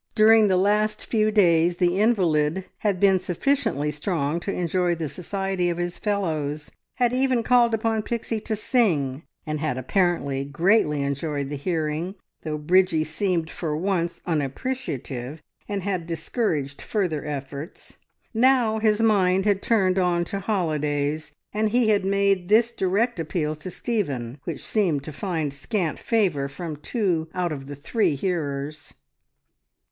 During the last few days the invalid had been sufficiently strong to enjoy the society of his fellows, had even called upon Pixie to sing, and had apparently greatly enjoyed the hearing, though Bridgie seemed for once unappreciative, and had discouraged further efforts. Now his mind had turned on to holidays, and he had made this direct appeal to Stephen, which seemed to find scant favour from two out of the three hearers.